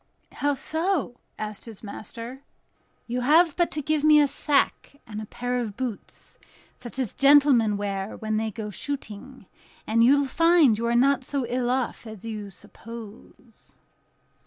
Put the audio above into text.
"How so?" asked his master. "You have but to give me a sack and a pair of boots, such as gentlemen wear when they go shooting, and you will find you are not so ill off as you suppose."